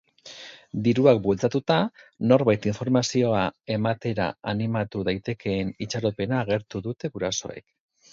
Diruak bultzatuta, norbait informazioa ematera animatu daitekeen itxaropena agertu dute gurasoek.